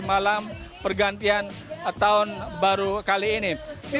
malam pergantian tahun baru kali ini